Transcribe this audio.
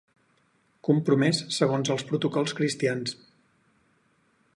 Compromès segons els protocols cristians.